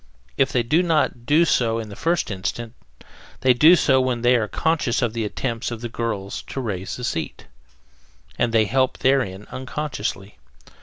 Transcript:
If they do not do so at the first instant, they do so when they are conscious of the attempts of the girl to raise the seat, and they help therein unconsciously.